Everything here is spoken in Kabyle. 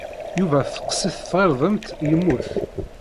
Yuba teqqes-it tɣirdemt, yemmut.